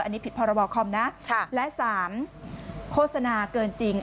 อันนี้ผิดพรบคอมนะและ๓โฆษณาเกินจริง